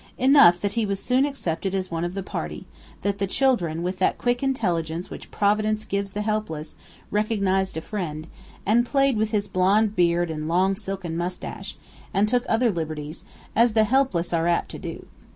Enough that he was soon accepted as one of the party; that the children, with that quick intelligence which Providence gives the helpless, recognized a friend, and played with his blond beard and long silken mustache, and took other liberties as the helpless are apt to do.